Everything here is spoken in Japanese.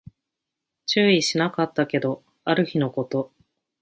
注意しなかったけど、ある日のこと